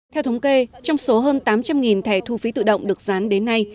theo thống kê trong số hơn tám trăm linh thẻ thu phí tự động được dán đến nay